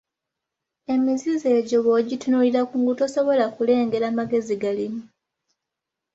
Emizizo egyo bw'ogitunulira kungulu tosobola kulengera magezi galimu.